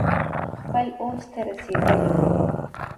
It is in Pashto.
خپل اوج ته رسیدلي ؤ